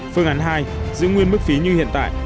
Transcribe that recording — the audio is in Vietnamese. phương án hai giữ nguyên mức phí như hiện tại